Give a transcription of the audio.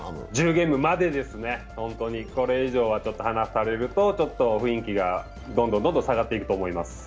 １０ゲームまでですね、本当にこれ以上、離されるとちょっと雰囲気がどんどん下がっていくと思います。